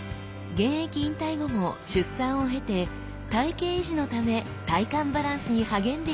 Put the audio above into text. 現役引退後も出産を経て体形維持のため体幹バランスに励んでいるそうです